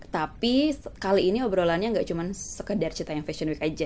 tapi kali ini obrolannya nggak cuma sekedar ceritanya fashion week aja